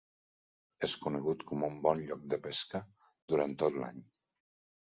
És conegut com un bon lloc de pesca durant tot l'any.